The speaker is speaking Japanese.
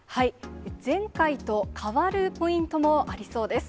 前回と変わるポイントもありそうです。